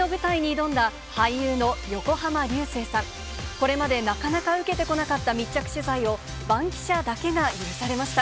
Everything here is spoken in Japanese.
これまでなかなか受けてこなかった密着取材を、バンキシャだけが許されました。